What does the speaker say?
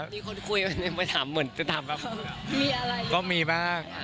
ผมตอนนี้ยังปะ